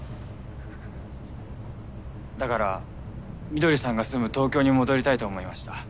だから翠さんが住む東京に戻りたいと思いました。